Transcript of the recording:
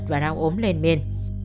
và đau ốm lên miền